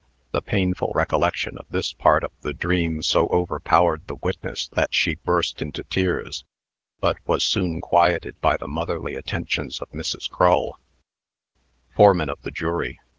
The painful recollection of this part of the dream so overpowered the witness, that she burst into tears, but was soon quieted by the motherly attentions of Mrs. Crull. FOREMAN OF THE JURY.